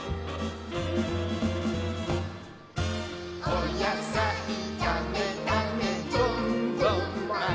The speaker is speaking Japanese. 「おやさいだめだめどんどんまい」